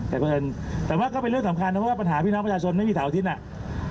แต่ว่าก็เป็นเรื่องสำคัญนะว่าปัญหาพี่น้องประชาชนไม่มีเสาร์อาทิตย์